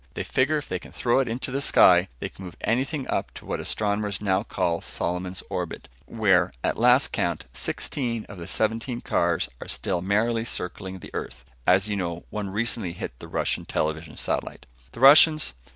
They figure if they can throw it into the sky, they can move anything up to what astronomers now call Solomon's Orbit, where at last count, sixteen of the seventeen cars are still merrily circling the earth. As you know, one recently hit the Russian television satellite. The Russians?